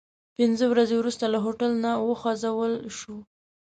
پنځه ورځې وروسته له هوټل نه وخوځول شوو.